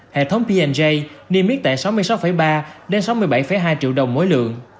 hệ thống p j niêm mít tại sáu mươi sáu ba đến sáu mươi bảy hai triệu đồng mỗi lượng